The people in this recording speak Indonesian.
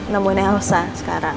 nemuin elsa sekarang